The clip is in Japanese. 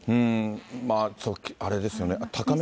あれですよね、高め。